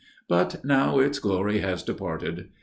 But now its glory has departed.